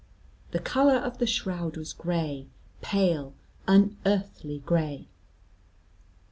The colour of the shroud was gray, pale, unearthly gray.